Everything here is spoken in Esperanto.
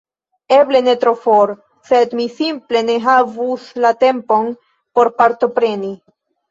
Eble ne tro for, sed mi simple ne havus la tempon por partopreni.